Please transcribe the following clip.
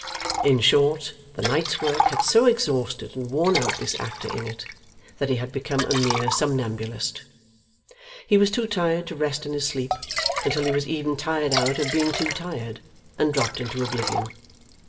In short, the night's work had so exhausted and worn out this actor in it, that he had become a mere somnambulist. He was too tired to rest in his sleep, until he was even tired out of being too tired, and dropped into oblivion.